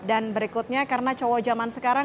dan berikutnya karena cowok zaman sekarang